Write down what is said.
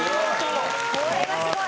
これはすごい！